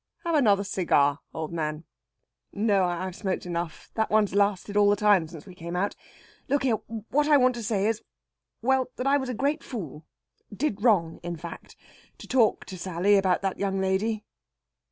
"Have another cigar, old man." "No, I've smoked enough. That one's lasted all the time since we came out. Look here what I want to say is ... well, that I was a great fool did wrong in fact to talk to Sally about that young lady...."